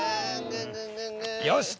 よし！